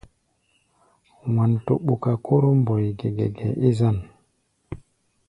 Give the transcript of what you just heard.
Wanto ɓuka Kóro Mbóe gɛgɛgɛ é zân.